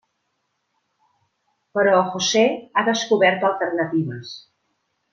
Però José ha descobert alternatives.